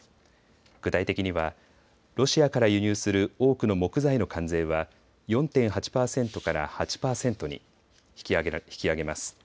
具体的にはロシアから輸入する多くの木材の関税は４．８％から８％に引き上げます。